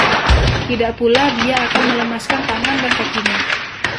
Tidak pula dia akan melemaskan tangan dan kakinya.